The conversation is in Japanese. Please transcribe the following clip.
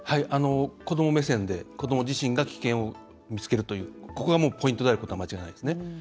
子ども目線で子ども自身が危険を見つけるというここがポイントであることは間違いないですね。